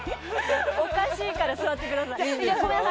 おかしいから座ってください。